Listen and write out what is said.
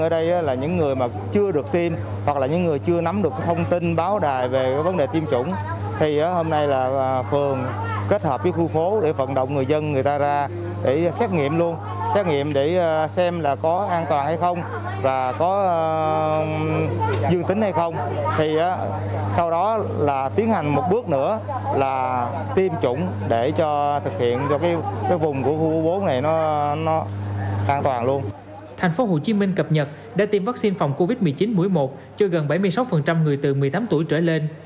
thành phố hồ chí minh cập nhật đã tiêm vaccine phòng covid một mươi chín mũi một cho gần bảy mươi sáu người từ một mươi tám tuổi trở lên